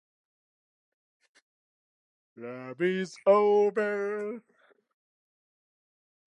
Works include those of Alexander Calder, Henry Moore, and Auguste Rodin.